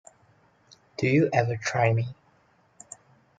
Do you ever try me?